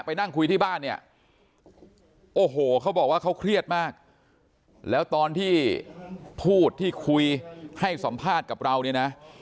ไปนั่งคุยที่บ้านเนี่ยโอ้โหเขาบอกว่าเขาเครียดมากแล้วตอนที่พูดที่คุยให้สัมภาษณ์กับเราเนี่ยนะ